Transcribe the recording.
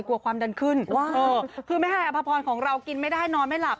ความดันขึ้นคือแม่ฮายอภพรของเรากินไม่ได้นอนไม่หลับ